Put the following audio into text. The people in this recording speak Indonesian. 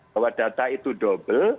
bahwa data itu double